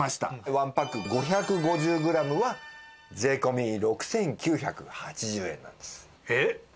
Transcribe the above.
１パック５５０グラムは税込６９８０円なんです。えっ？